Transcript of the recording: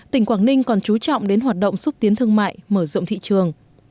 tỉnh quảng ninh còn chú trọng đến hoạt động xúc tiến thương mại mở rộng thị trường